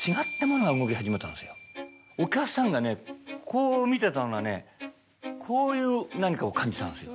お客さんがねこう見てたのがねこういう何かを感じたんですよ。